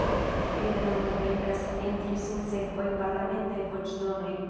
Li denove venkas en tri sinsekvaj parlamentaj voĉdonoj.